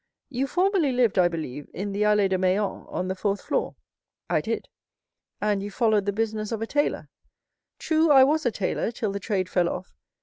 You formerly lived, I believe in the Allées de Meilhan, on the fourth floor?" 0325m "I did." "And you followed the business of a tailor?" "True, I was a tailor, till the trade fell off.